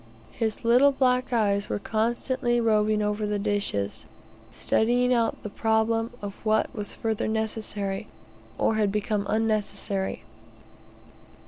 His little black eyes were constantly roving over the dishes, studying out the problem of what was further necessary, or had become unnecessary.